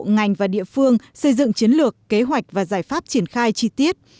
ngành và địa phương xây dựng chiến lược kế hoạch và giải pháp triển khai chi tiết